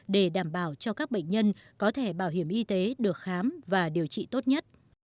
để đảm bảo cho các bệnh nhân có thẻ bảo hiểm y tế được khám và điều trị tốt nhất